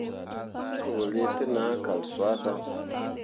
Toklǝǝah te nah kal suah dan.